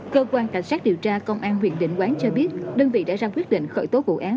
cơ quan cảnh sát điều tra công an huyện định quán cho biết đơn vị đã ra quyết định khởi tố vụ án